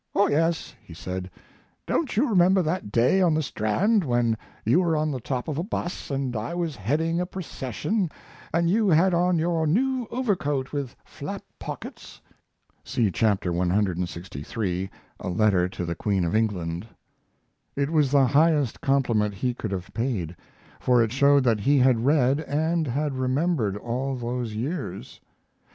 "Oh yes," he said; "don't you remember that day on the Strand when you were on the top of a bus and I was heading a procession and you had on your new overcoat with flap pockets?" [See chap. clxiii, "A Letter to the Queen of England."] It was the highest compliment he could have paid, for it showed that he had read, and had remembered all those years.